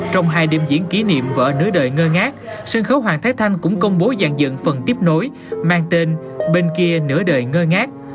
trong hai đêm diễn kỷ niệm vợ nửa đời ngơ ngát sân khấu hoàng thái thanh cũng công bố dàn dựng phần tiếp nối mang tên bên kia nửa đời ngơi ngát